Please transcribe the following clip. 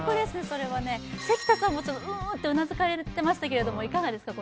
それはね関田さんもうんうんってうなずかれてましたけれどもいかがですか？